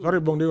loh ribung dego